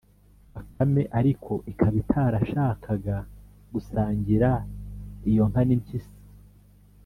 Bakame ariko ikaba itashakaga gusangira iyo nka n' impyisi